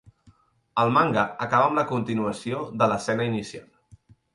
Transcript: El manga acaba amb la continuació de l'escena inicial.